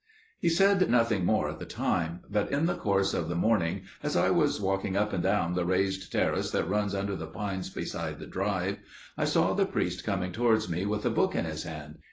He said nothing more at the time; but in the course of the morning, as I was walking up and down the raised terrace that runs under the pines beside the drive, I saw the priest coming towards me with a book in his hand.